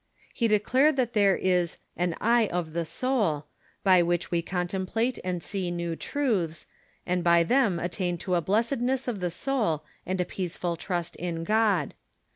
He declared that there is an "eye of the soul," by which we contemplate and see new truths, and by them attain to a blessedness of the soul and a peaceful trust in God.